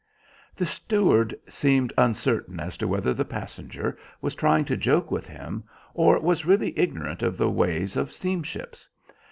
The steward seemed uncertain as to whether the passenger was trying to joke with him or was really ignorant of the ways of steamships.